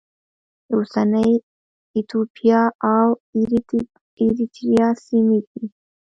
د اوسنۍ ایتوپیا او اریتریا سیمې دي.